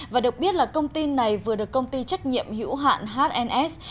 và được biết là công ty này vừa được công ty trách nhiệm hữu hạn hns